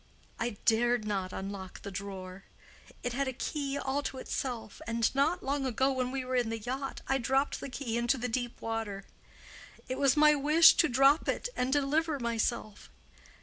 I dared not unlock the drawer: it had a key all to itself; and not long ago, when we were in the yacht, I dropped the key into the deep water. It was my wish to drop it and deliver myself.